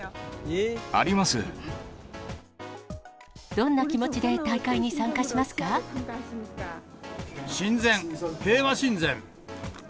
どんな気持ちで大会に参加し親善、平和親善。